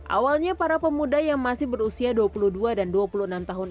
awalnya para pemuda yang masih berusia dua puluh dua dan dua puluh enam tahun